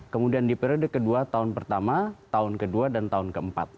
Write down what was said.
kemudian di periode kedua tahun pertama tahun kedua dan tahun keempat